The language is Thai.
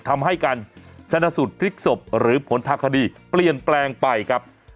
ทำให้การชนะสูตรพลิกศพหรือผลทางคดีเปลี่ยนแปลงไปครับ